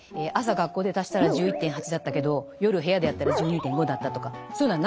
学校で足したら１１．８だったけど夜部屋でやったら１２．５だったとかそういうのはないわけです。